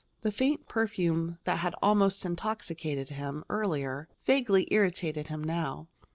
The faint perfume that had almost intoxicated him, earlier, vaguely irritated him now.